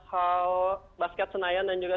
hall basket senayan dan juga